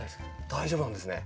大丈夫なんですね。